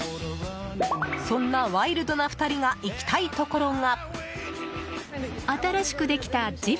そんなワイルドな２人が行きたいところが。